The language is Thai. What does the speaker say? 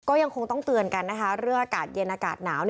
ก็ยังคงต้องเตือนกันนะคะเรื่องอากาศเย็นอากาศหนาว